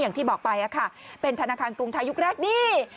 อย่างที่บอกไปเป็นธนาคารกรุงไทยยุคแรกนี่